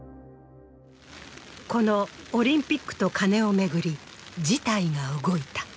このオリンピックとカネを巡り事態が動いた。